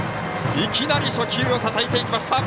いきなり初球をたたいていきました。